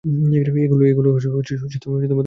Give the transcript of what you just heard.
এগুলো তোমার জন্য এনেছি।